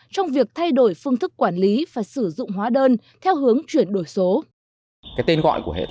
trong việc thay đổi phương thức quản lý và sử dụng hóa đơn theo hướng chuyển đổi số